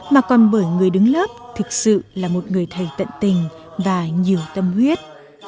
mà còn bởi người đứng lớp thực sự là một người thầy tận tình và nhiều tâm huyết